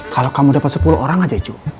kalau kamu dapet sepuluh orang aja cu